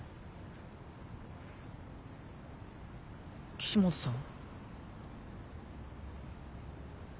岸本さん？